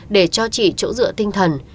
để cho chị chỗ dựa tinh thần